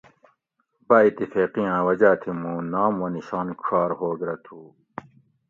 با اتفیقیاں وجاۤ تھی موں نام و نشان ڄھار ہوگ رہ تُھو